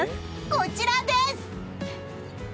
こちらです！